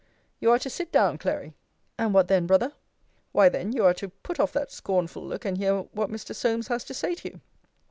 You are to sit down, Clary. And what then, Brother? Why then, you are to put off that scornful look, and hear what Mr. Solmes has to say to you.